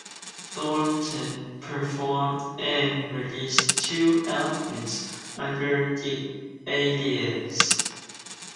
Thornton performed and released two albums under the alias.